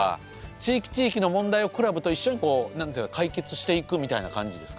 地域地域の問題をクラブと一緒にこう解決していくみたいな感じですか？